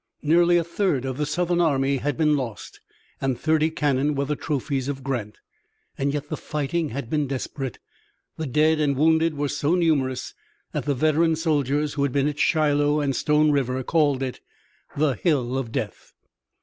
Nearly a third of the Southern army had been lost and thirty cannon were the trophies of Grant. Yet the fighting had been desperate. The dead and wounded were so numerous that the veteran soldiers who had been at Shiloh and Stone River called it "The Hill of Death."